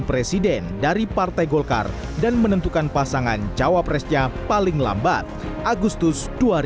presiden dari partai golkar dan menentukan pasangan jawab resnya paling lambat agustus